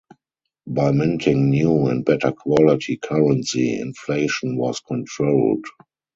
By minting new and better quality currency, inflation was controlled.